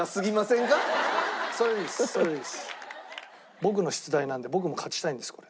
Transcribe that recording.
僕の出題なんで僕も勝ちたいんですこれ。